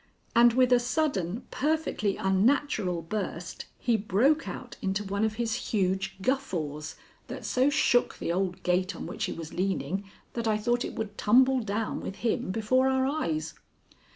And with a sudden, perfectly unnatural burst, he broke out into one of his huge guffaws that so shook the old gate on which he was leaning that I thought it would tumble down with him before our eyes.